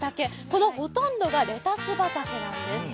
このほとんどがレタス畑なんです。